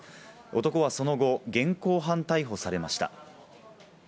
男はその後、現行犯逮捕されました。